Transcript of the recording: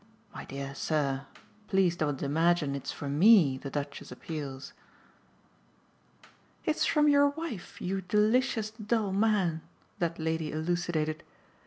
My dear sir, please don't imagine it's for ME the Duchess appeals." "It's from your wife, you delicious dull man," that lady elucidated.